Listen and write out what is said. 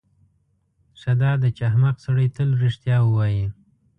ښه داده چې احمق سړی تل رښتیا ووایي.